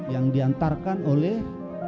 yang diantarkan oleh